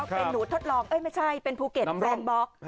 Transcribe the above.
เป็นหนูทดลองเอ้ยไม่ใช่เป็นภูเก็ตแบรนด็อก